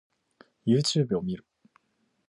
Youtube を見る